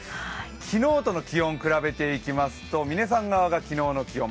昨日との気温を比べていきますと、嶺さん側が昨日の気温。